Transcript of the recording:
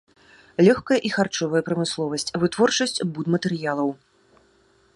Лёгкая і харчовая прамысловасць, вытворчасць будматэрыялаў.